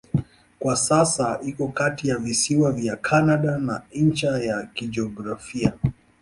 Kwa sasa iko kati ya visiwa vya Kanada na ncha ya kijiografia.